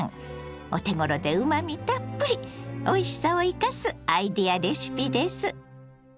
お手ごろでうまみたっぷりおいしさを生かすアイデアレシピです。